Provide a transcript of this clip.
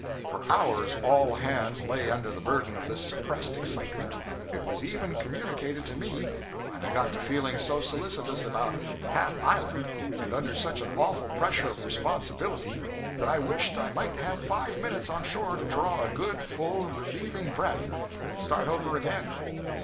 For hours all hands lay under the burden of this suppressed excitement; it was even communicated to me, and I got to feeling so solicitous about Hat Island, and under such an awful pressure of responsibility, that I wished I might have five minutes on shore to draw a good, full, relieving breath, and start over again.